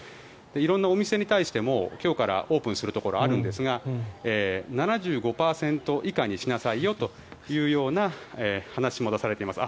色々なお店に対しても今日からオープンするところはあるんですが７５％以下にしなさいよというような話も出されています。